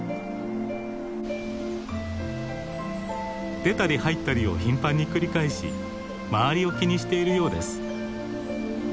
出たり入ったりを頻繁に繰り返し周りを気にしているようです。